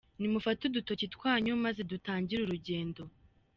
Nimufate udukoti twanyu, maze dutangire urugendo.